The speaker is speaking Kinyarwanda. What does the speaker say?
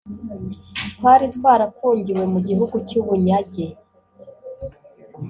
Twari twarafungiwe mu gihugu cy’ubunyage